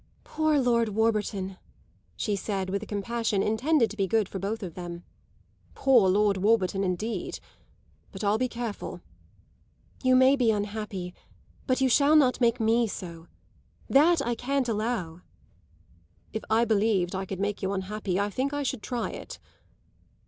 "Poor Lord Warburton!" she said with a compassion intended to be good for both of them. "Poor Lord Warburton indeed! But I'll be careful." "You may be unhappy, but you shall not make me so. That I can't allow." "If I believed I could make you unhappy I think I should try it."